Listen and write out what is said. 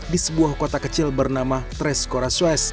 di sebuah kota kecil bernama tres corazones